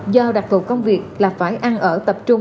do đặc thù công việc là phải ăn ở tập trung